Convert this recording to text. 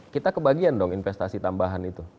kita kebagian dong investasi tambahan itu